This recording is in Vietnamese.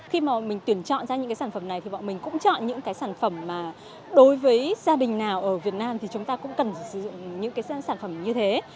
khi mà bọn mình tuyển chọn ra những cái sản phẩm này thì bọn mình cũng chọn những cái sản phẩm mà đối với gia đình nào ở việt nam thì chúng ta cũng cần sử dụng những cái sản phẩm như thế